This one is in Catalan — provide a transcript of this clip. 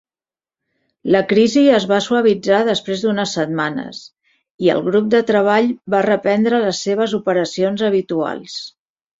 La crisi es va suavitzar després d'unes setmanes, i el grup de treball va reprendre les seves operacions habituals.